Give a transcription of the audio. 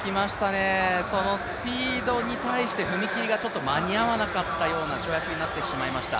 そのスピードに対して踏み切りがちょっと間に合わなかったような跳躍になってしまいました。